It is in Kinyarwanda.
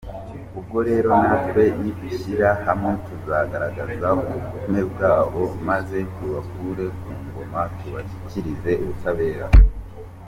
Ubwo rero natwe nidushyira hamwe tuzagaragaza ubugome bwabo maze tubakure ku ngoma tubashyikirize ubutabera.